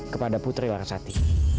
kepada putri larasati